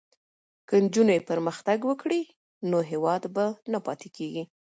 که نجونې پرمختګ وکړي نو هیواد به نه پاتې کېږي.